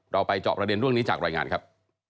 ไปจอบประเด็นเรื่องนี้จากรายงานครับ